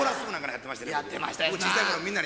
やってましたよな。